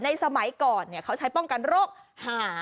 ในสมัยก่อนเนี่ยเขาใช้ป้องกันโรคห่า